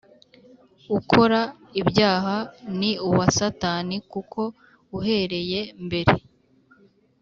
Ukora ibyaha ni uwa Satani kuko uhereye mbere